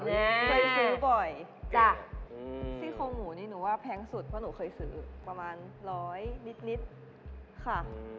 เคยซื้อบ่อยจ้ะซี่โครงหมูนี่หนูว่าแพงสุดเพราะหนูเคยซื้อประมาณร้อยนิดค่ะ